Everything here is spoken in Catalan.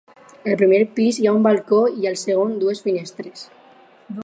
Al primer pis hi ha un balcó i al segon dues finestres.